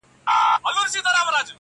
اورېدلي یې زاړه وراسته نکلونه٫